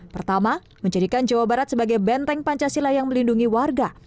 pertama menjadikan jawa barat sebagai benteng pancasila yang melindungi warga